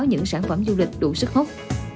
những sản phẩm du lịch đủ sức hút